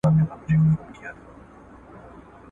وېره حق ده خو له چا؟ ..